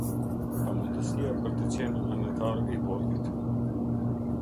Pamundësia për të qenë anëtarë i Bordit.